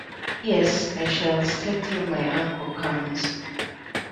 Yes, I shall stay till my uncle comes.